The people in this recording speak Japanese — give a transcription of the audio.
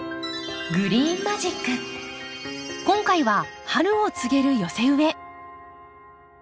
今回は春を告げる寄せ植え。